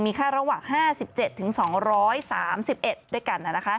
ค่าระหว่าง๕๗๒๓๑ด้วยกัน